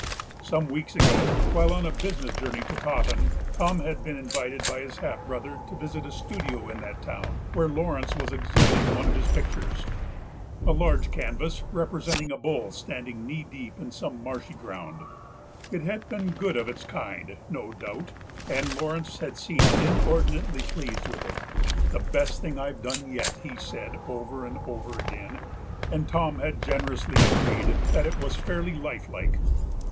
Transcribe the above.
Some weeks ago, while on a business journey to Taunton, Tom had been invited by his half brother to visit a studio in that town, where Laurence was exhibiting one of his pictures, a large canvas representing a bull standing knee deep in some marshy ground; it had been good of its kind, no doubt, and Laurence had seemed inordinately pleased with it; "the best thing I've done yet," he had said over and over again, and Tom had generously agreed that it was fairly life like.